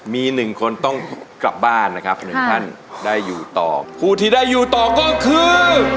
มีหนึ่งคนต้องกลับบ้านนะครับคุณผู้ที่ได้อยู่ต่อก็คือ